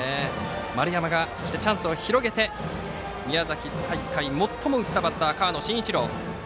丸山がチャンスを広げて続いては宮崎大会最も打ったバッター河野伸一朗。